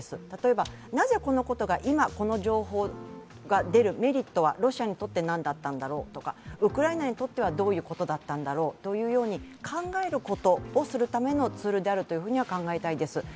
例えば、なぜこのことが、今この情報が出るメリットはロシアにとって何だったんだろうとか、ウクライナにとってはどういうことだったんだろうというように考えることをするためのツールであるということは考えたいです。